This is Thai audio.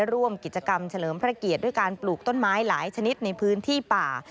ร่วมกิจกรรมเฉลิมพระเกียรติด้วยการปลูกต้นไม้หลายชนิดในพื้นที่ป่า